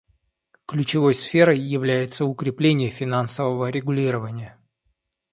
Ключевой сферой является укрепление финансового регулирования.